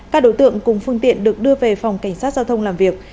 các đối tượng cùng phương tiện được đưa về phòng cảnh sát giao thông làm việc